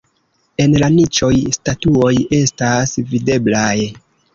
En la niĉoj statuoj estas videblaj.